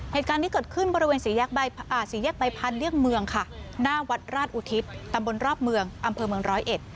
เหตุการณ์นี้เกิดขึ้นบริเวณสี่แยกสี่แยกใบพันธเลี่ยงเมืองค่ะหน้าวัดราชอุทิศตำบลรอบเมืองอำเภอเมืองร้อยเอ็ด